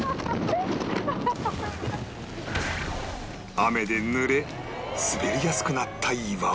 雨で濡れ滑りやすくなった岩場